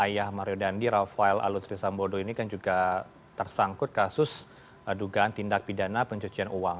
ayah mario dandi rafael aluntri sambodo ini kan juga tersangkut kasus dugaan tindak pidana pencucian uang